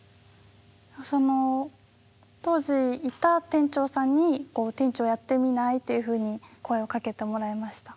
当時いた店長さんに「店長やってみない？」っていうふうに声をかけてもらいました。